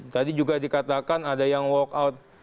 tadi juga dikatakan ada yang walkout